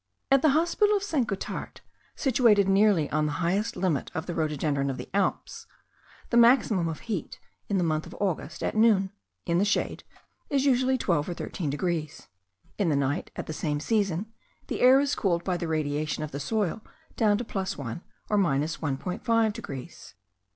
At the hospital of St. Gothard, situated nearly on the highest limit of the rhododendron of the Alps, the maximum of heat, in the month of August at noon, in the shade, is usually 12 or 13 degrees; in the night, at the same season, the air is cooled by the radiation of the soil down to +1 or 1.5 degrees.